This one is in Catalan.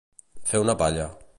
Fer una palla.